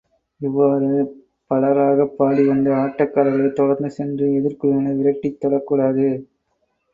இவ்வாறு பலராகப் பாடிவந்த ஆட்டக்காரர்களைத் தொடர்ந்து சென்று, எதிர்க்குழுவினர் விரட்டித் தொடக்கூடாது.